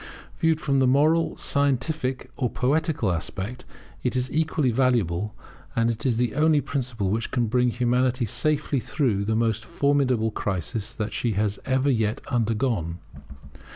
Viewed from the moral, scientific, or poetical aspect, it is equally valuable; and it is the only principle which can bring Humanity safely through the most formidable crisis that she has ever yet undergone.